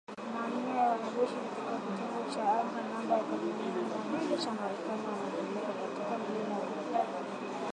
Mamia ya wanajeshi kutoka kitengo cha anga namba themanini na mbili cha Marekani wamepelekwa katika milima ya msituni ya mashariki mwa Poland